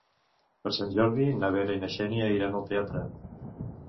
Per Sant Jordi na Vera i na Xènia iran al teatre.